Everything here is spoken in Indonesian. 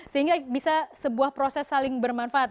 sehingga bisa sebuah proses saling bermanfaat